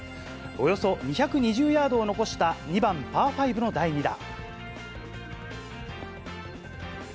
およそ２２０ヤードを残した２番パー５の第２打。